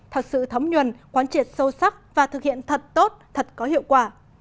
thật sự thấm nhuần quán triệt sâu sắc và thực hiện thật tốt thật có hiệu quả